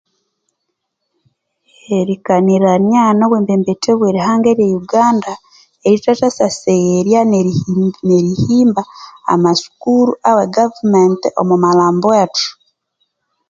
Erikanirania no bwembembethya obwe rihanga rye yuganda erithasyasasegherya nerihi nerihimba amasukuru awe gavumenti omwa malhambwethu